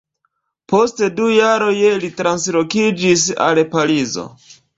Post du jaroj li translokiĝis al Parizo.